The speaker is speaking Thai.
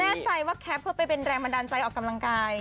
แน่ใจว่าแคปเพื่อไปเป็นแรงบันดาลใจออกกำลังกาย